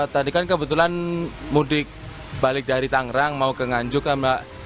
tadi kan kebetulan mudik balik dari tangerang mau ke nganjuk kan mbak